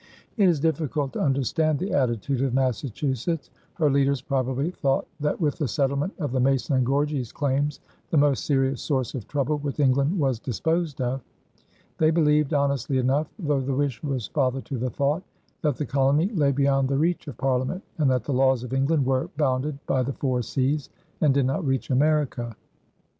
It is difficult to understand the attitude of Massachusetts. Her leaders probably thought that with the settlement of the Mason and Gorges claims the most serious source of trouble with England was disposed of. They believed, honestly enough, though the wish was father to the thought, that the colony lay beyond the reach of Parliament and that the laws of England were bounded by the four seas and did not reach America.